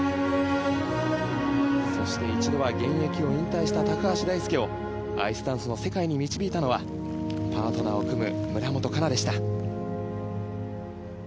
そして一度は現役を引退した高橋大輔をアイスダンスの世界に導いたのはパートナーを組む村元哉中でした。